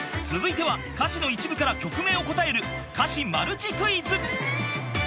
［続いては歌詞の一部から曲名を答える歌詞マルチクイズ］